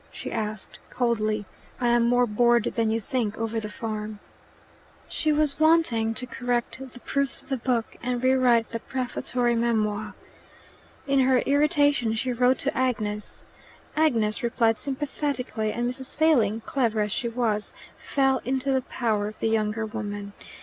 she asked coldly. "I am more bored than you think over the farm." She was wanting to correct the proofs of the book and rewrite the prefatory memoir. In her irritation she wrote to Agnes. Agnes replied sympathetically, and Mrs. Failing, clever as she was, fell into the power of the younger woman.